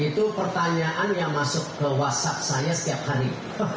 itu pertanyaan yang masuk ke whatsapp saya setiap hari